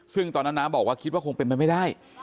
ซึ่งตอนนั้นน้าบอกว่าคิดว่าคงเป็นไปไม่ได้